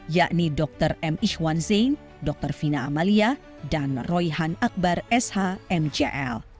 yakni dr m ihwan zain dr fina amalia dan royhan akbar sh mcl